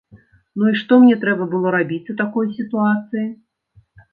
Ну і што мне трэба было рабіць у такой сітуацыі?